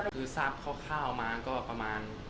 คือทราบคร่าวมาก็ประมาณ